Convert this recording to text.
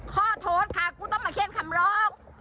โทษค่ะกูต้องมาเขียนคำร้อง